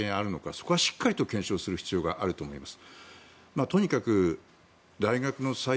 そこはしっかりと検証する必要があると思います。